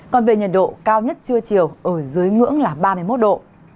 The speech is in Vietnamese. còn về nhiệt độ cao nhất trưa chiều ở dưới ngưỡng là ba mươi một độ